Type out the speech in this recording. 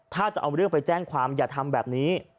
ถ้าจะเอาเรื่องไปแจ้งความอย่าทำแบบนี้